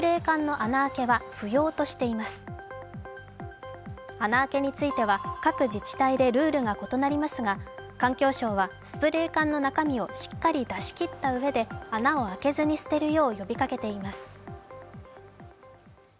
穴開けについては各自治体でルールが異なりますが環境省はスプレー缶の中身をしっかり出し切ったうえで、穴を開けずに捨てるよう呼びかけています。